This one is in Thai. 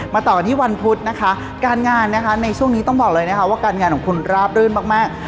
ต่อกันที่วันพุธนะคะการงานนะคะในช่วงนี้ต้องบอกเลยนะคะว่าการงานของคุณราบรื่นมาก